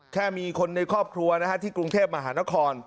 แค่มีคนในครอบครัวที่กรุงเทพมหานคร